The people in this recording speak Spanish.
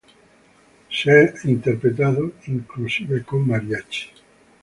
Inclusive con Mariachi se ha interpretado.